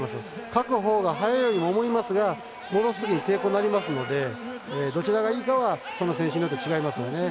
かくほうが早いように思いますがものすごい抵抗になりますのでどちらがいいかはその選手によって違いますよね。